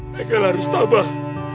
haikal harus sabar